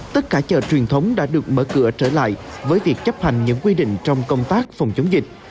tất cả chợ truyền thống đã được mở cửa trở lại với việc chấp hành những quy định trong công tác phòng chống dịch